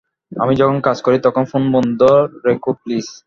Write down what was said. আমি যখন কাজ করি তখন ফোন বন্ধ রেখো, প্লিজ।